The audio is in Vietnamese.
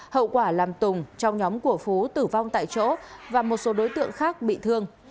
hậu quả làm tùng trong nhóm của phú tử vong tại chỗ và một số đối tượng khác bị thương